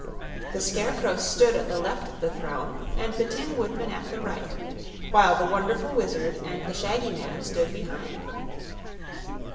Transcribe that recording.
The Scarecrow stood at the left of the throne and the Tin Woodman at the right, while the Wonderful Wizard and the shaggy man stood behind.